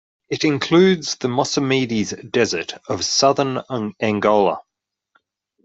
It includes the Mossamedes Desert of southern Angola.